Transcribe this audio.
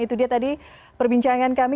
itu dia tadi perbincangan kami